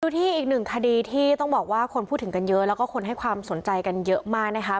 ที่อีกหนึ่งคดีที่ต้องบอกว่าคนพูดถึงกันเยอะแล้วก็คนให้ความสนใจกันเยอะมากนะคะ